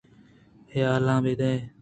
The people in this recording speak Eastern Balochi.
حالاں بہ دئے